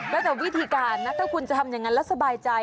แล้วแต่วิธีการนะถ้าคุณจะทำอย่างนั้นแล้วสบายใจ